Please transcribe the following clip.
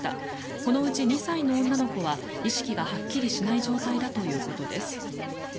このうち２歳の女の子は意識がはっきりしない状態だということです。